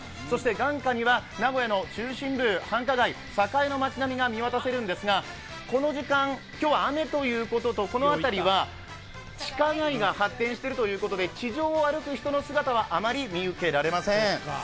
そして眼下には名古屋の中心部、繁華街栄の街並みが見渡せるんですが、今日この時間雨ということと、この辺りは地下街が発展しているということで、地上を歩く人の姿はあまり見受けられません。